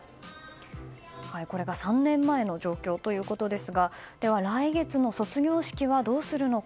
これが３年前の状況ということですがでは来月の卒業式はどうするのか。